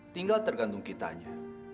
tinggal tergantung kitanya